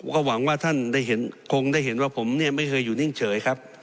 ก็หวังว่าท่านคงได้เห็นว่าผมเนี่ยไม่เคยอยู่นิ่งเฉยครับ